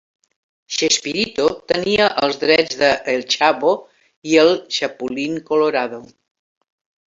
Chespirito tenia els drets de "El Chavo" i "El Chapulín Colorado".